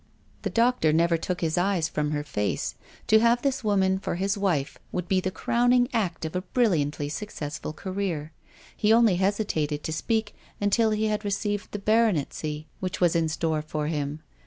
The doctor never took his eyes from her face. To get this woman for his wife would 228 TSE STORY OF A MODERN WOMAN. be the crowning act of a brilliantly successful career. He only hesitated to speak until he had received the baronetcy which was in store for him.